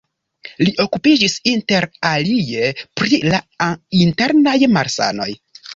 Li okupiĝis inter alie pri la internaj malsanoj.